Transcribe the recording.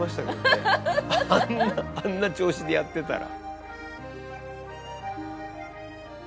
あんなあんな調子でやってたら。